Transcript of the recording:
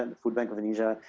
bank makanan indonesia